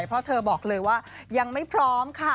เพราะเธอบอกเลยว่ายังไม่พร้อมค่ะ